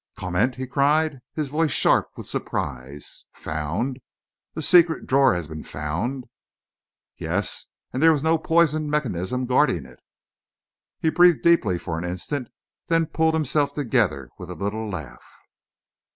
"Comment?" he cried, his voice sharp with surprise. "Found? The secret drawer has been found?" "Yes, and there was no poisoned mechanism guarding it." He breathed deeply for an instant; then he pulled himself together with a little laugh.